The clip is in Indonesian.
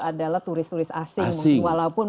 adalah turis turis asing walaupun